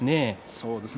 そうですね。